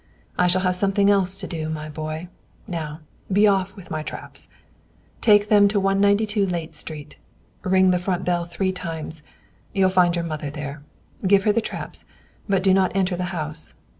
I shall have something else to do, my boy. Now, be off with my traps." "Take them to 192 Layte Street. Ring the front bell three times; you'll find your mother there. Give her the traps, but do not enter the house.